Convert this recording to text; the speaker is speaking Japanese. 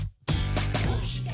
「どうして？